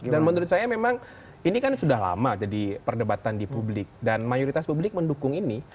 dan menurut saya memang ini kan sudah lama jadi perdebatan di publik dan mayoritas publik mendukung ini